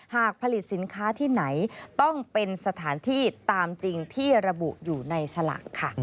หากผลิตสินค้าที่ไหนต้องเป็นสถานที่ตามจริงที่ระบุอยู่ในสลากค่ะ